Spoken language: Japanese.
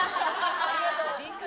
ありがとう。